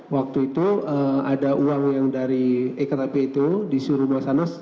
waktu itu ada uang yang dari ektp itu disuruh mas anas